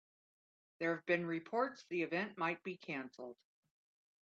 There have been reports the event might be canceled.